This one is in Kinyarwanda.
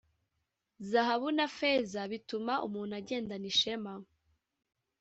Zahabu na feza bituma umuntu agendana ishema,